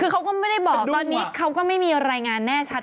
คือเขาก็ไม่ได้บอกตอนนี้เขาก็ไม่มีรายงานแน่ชัด